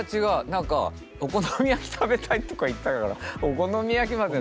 何か「お好み焼き食べたい」とか言ったからお好み焼きまで。